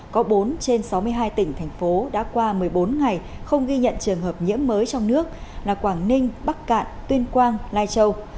có bốn trên sáu mươi hai tỉnh thành phố đã qua một mươi bốn ngày không ghi nhận trường hợp nhiễm mới trong nước là quảng ninh bắc cạn tuyên quang lai châu